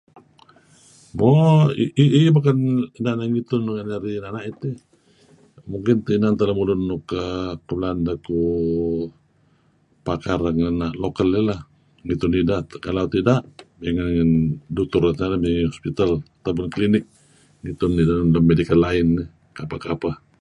mo iyih[um] bakan [um]inan narih ngitun rangah inan a'it, mungkin inan tah lamulun um balaan idah um pakar lat ngan nah pakar local um nigun idah um kalau tidak um mey ngan dotor [um]hospital, dotor klinik[um]ngitun udah medical line. kapah kapah